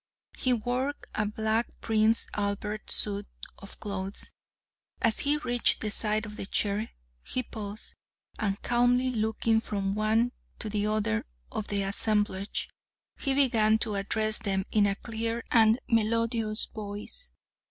He wore a black Prince Albert suit of clothes. As he reached the side of the chair he paused, and calmly looking from one to the other of the assemblage, he began to address them in a clear and melodious voice.